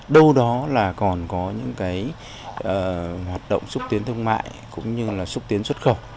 đâu đó là còn có những hoạt động xúc tiến thương mại cũng như xúc tiến xuất khẩu